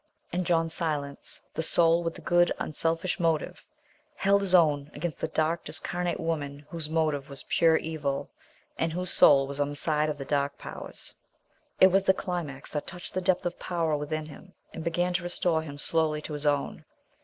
And John Silence, the soul with the good, unselfish motive, held his own against the dark discarnate woman whose motive was pure evil, and whose soul was on the side of the Dark Powers. It was the climax that touched the depth of power within him and began to restore him slowly to his own.